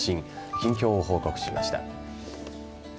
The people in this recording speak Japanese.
近況を報告しました。